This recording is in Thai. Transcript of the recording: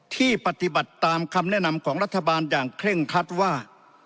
ที่ปฏิบัติตามคำแนะนำของรัฐบาลอย่างเคร่งคัดว่า